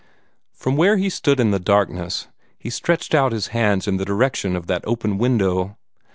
From where he stood in the darkness he stretched out his hands in the direction of that open window.